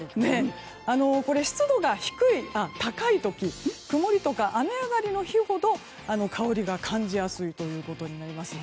湿度が高い時曇りとか雨上がりの時ほど香りが感じやすいということになります。